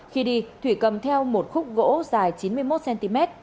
khi đi thủy cầm theo một khúc gỗ dài chín mươi một cm